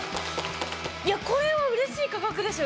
いやこれはうれしい価格ですよ